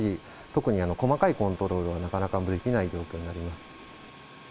特に細かいコントロールはなかなかできない状況になります。